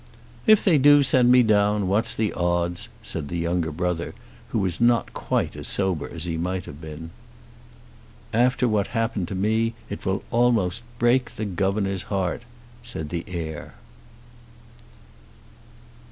"If they do send me down, what's the odds?" said the younger brother, who was not quite as sober as he might have been. "After what happened to me it will almost break the governor's heart," said the heir.